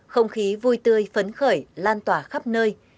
không khí vui tươi phấn khởi lan tỏa khắp nơi